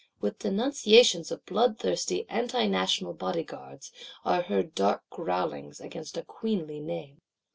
With denunciations of bloodthirsty Anti national Bodyguards, are heard dark growlings against a Queenly Name.